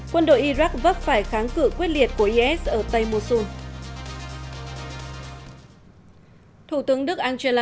quân đội iraq vấp phải kháng cử quyết liệt của is ở tây mussol